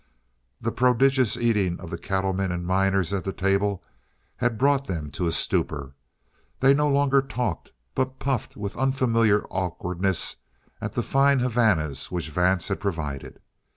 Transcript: The prodigious eating of the cattlemen and miners at the table had brought them to a stupor. They no longer talked, but puffed with unfamiliar awkwardness at the fine Havanas which Vance had provided.